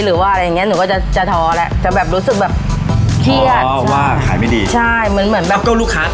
แล้วก็ลูกค้าเต็มเลย